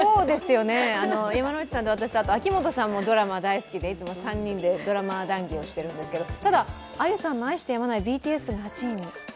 山内さんと私、秋元さんもドラマが大好きで３人で話してるんですけどただ、あゆさんの愛してやまないＢＴＳが８位に。